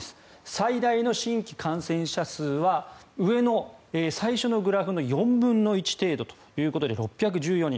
最大の新規感染者数は上の最初のグラフの４分の１程度ということで６１４人。